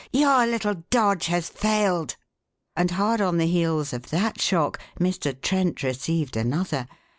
Your little dodge has failed!" And hard on the heels of that shock Mr. Trent received another.